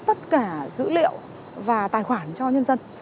tất cả dữ liệu và tài khoản cho nhân dân